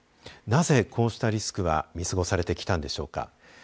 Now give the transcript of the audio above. なぜ、こうしたリスクは見過ごされてきたのでしょうか。